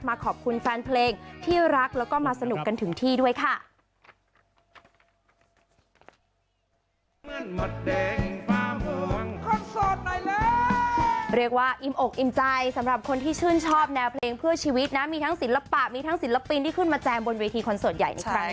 ขอบคุณแฟนเพลงที่รักแล้วก็มาสนุกกันถึงที่ด้วยค่ะ